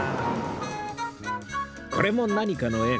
これも何かの縁